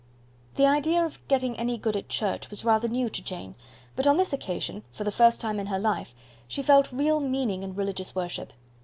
The idea of getting any good at church was rather new to Jane; but on this occasion, for the first time in her life, she felt real meaning in religious worship.